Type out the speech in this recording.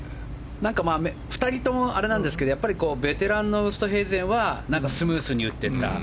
なんか２人ともあれなんですがベテランのウーストヘイゼンはスムーズに打っていった。